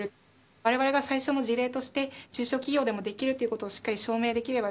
われわれが最初の事例として、中小企業でもできるということをしっかり証明できれば。